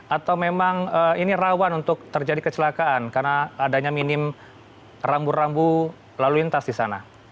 atau memang ini rawan untuk terjadi kecelakaan karena adanya minim rambu rambu lalu lintas di sana